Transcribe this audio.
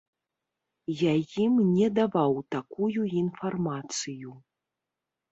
Я ім не даваў такую інфармацыю.